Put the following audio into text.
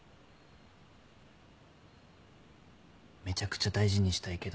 めちゃくちゃ大事にしたいけど。